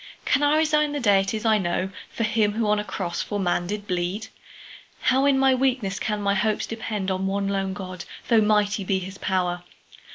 Can I resign the deities I know For him who on a cross for man did bleed? How in my weakness can my hopes depend On one lone God, though mighty be his pow'r?